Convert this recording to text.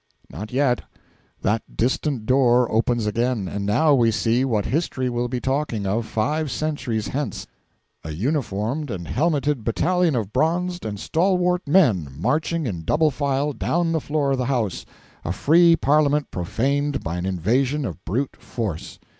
Not yet. That distant door opens again. And now we see what history will be talking of five centuries hence: a uniformed and helmeted battalion of bronzed and stalwart men marching in double file down the floor of the House a free parliament profaned by an invasion of brute force!